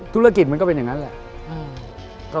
ธุรกิจมันก็เป็นอย่างนั้นแหละ